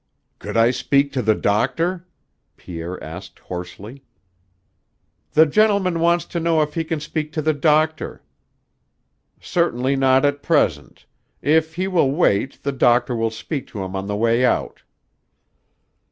"Could I speak to the doctor?" Pierre asked hoarsely. "The gentleman wants to know if he can speak to the doctor. Certainly not at present. If he will wait, the doctor will speak to him on the way out."